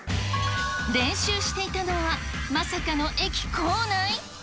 練習していたのは、まさかの駅構内。